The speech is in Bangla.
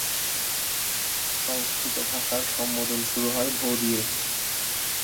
সংস্কৃত ভাষার সম্বোধন শুরু হয় ভো দিয়ে।